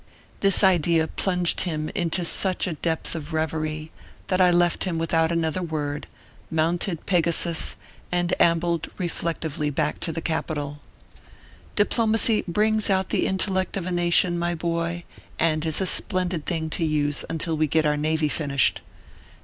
This idea plunged him into such a depth of reverie, that I left him without another word, mounted Peg asus, and ambled reflectively back to the Capitol. Diplomacy brings out the intellect of a nation, my boy, and is a splendid thing to use until we get our navy finished.